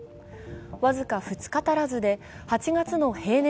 僅か２日足らずで８月の平年